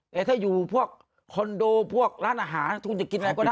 แต่ถ้าอยู่พวกคอนโดพวกร้านอาหารคุณจะกินอะไรก็ได้